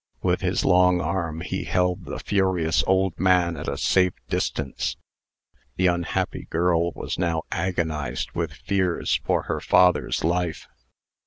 With his long arm he held the furious old man at a safe distance. The unhappy girl was now agonized with fears for her father's life.